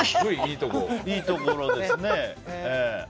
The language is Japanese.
いいところですね。